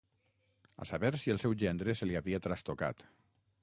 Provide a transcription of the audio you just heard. A saber si el seu gendre se li havia trastocat